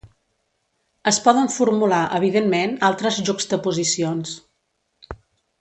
Es poden formular, evidentment, altres juxtaposicions.